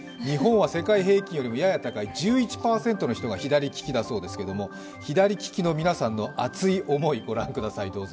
日本は世界平均よりやや高い１１％の人が左利きだそうですけれども、左利きの皆さんの熱い思い、御覧ください